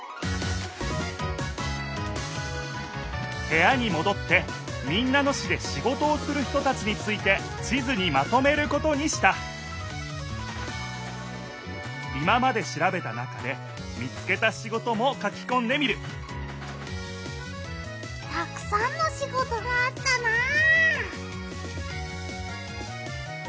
へやにもどって民奈野市でシゴトをする人たちについて地図にまとめることにした今までしらべた中で見つけたシゴトも書きこんでみるたくさんのシゴトがあったなあ。